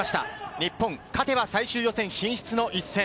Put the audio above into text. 日本、勝てば最終予選進出の一戦。